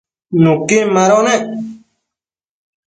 nuquin mado nec